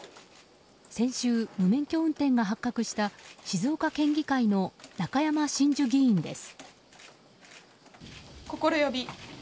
先週、無免許運転が発覚した静岡県議会の中山真珠議員です。